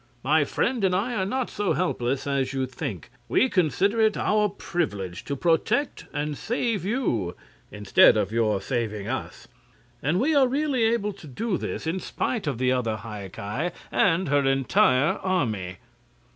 My friend and I are not so helpless as you think. We consider it our privilege to protect and save you, instead of your saving us; and we are really able to do this in spite of the other High Ki and her entire army."